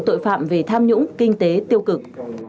tội phạm về tham nhũng kinh tế tiêu cực